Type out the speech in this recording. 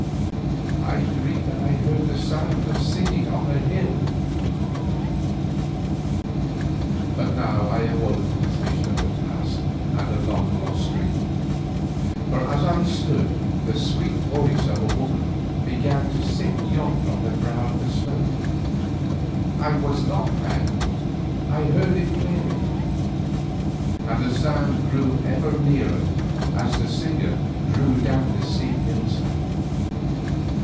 I dreamed that I heard a sound of singing on the hill— But now I awoke from this vision of the past and of a long lost dream, for as I stood the sweet voice of a woman began to sing yonder on the brow of the slope; I was not mad, I heard it clearly, and the sound grew ever nearer as the singer drew down the steep hillside.